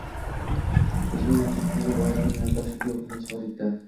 O‘zining tetikligi bois minnatdorchilik tuyg‘usini izhor etdi